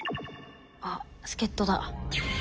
あっ助っとだ。